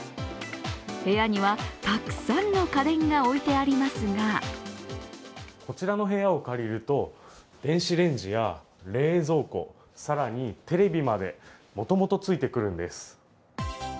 部屋にはたくさんの家電が置いてありますがこちらの部屋を借りると電子レンジや冷蔵庫、更に、テレビまで、もともとついてくるんです。